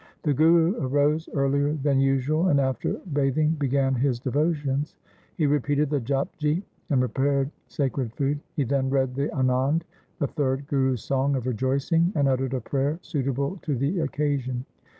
The Guru arose earlier than usual, and after bath ing began his devotions. He repeated the Japji, and prepared sacred food. He then read the Anand, the third Guru's song of rejoicing, and uttered a prayer suitable to the occasion.